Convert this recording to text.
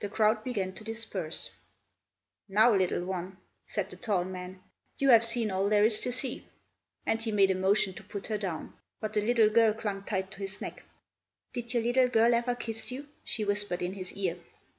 The crowd began to disperse. "Now, little one," said the tall man, "you have seen all there is to see." And he made a motion to put her down; but the little girl clung tight to his neck. "Did your little girl ever kiss you?" she whispered in his ear.